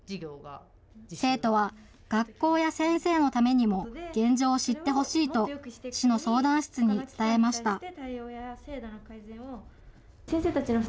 生徒は学校や先生のためにも、現状を知ってほしいと、市の相談室に伝えました。